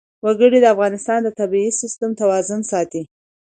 وګړي د افغانستان د طبعي سیسټم توازن ساتي.